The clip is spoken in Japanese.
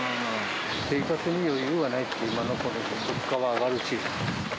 生活に余裕がない、今のほら、物価は上がるし。